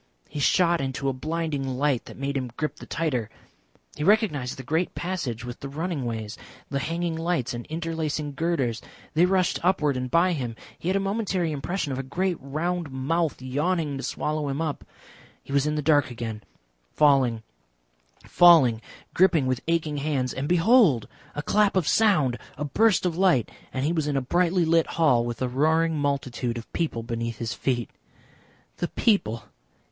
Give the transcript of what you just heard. He shot into a blinding light that made him grip the tighter. He recognised the great passage with the running ways, the hanging lights and interlacing girders. They rushed upward and by him. He had a momentary impression of a great round mouth yawning to swallow him up. He was in the dark again, falling, falling, gripping with aching hands, and behold! a clap of sound, a burst of light, and he was in a brightly lit hall with a roaring multitude of people beneath his feet. The people!